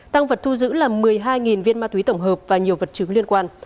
tăng vật thu giữ là một mươi hai viên ma túy tổng hợp và nhiều vật chứng liên quan